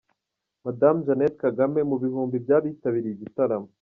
Madame Jeannette Kagame mu bihumbi by’abitabiriye igitaramo.